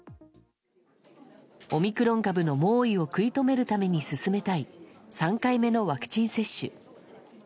オミクロン株の猛威を食い止めるために進めたい３回目のワクチン接種。